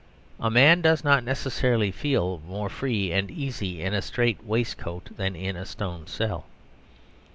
A man does not necessarily feel more free and easy in a straight waistcoat than in a stone cell.